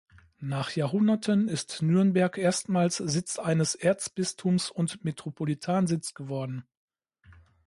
Nach Jahrhunderten ist Nürnberg erstmals Sitz eines Erzbistums und Metropolitan-Sitz geworden.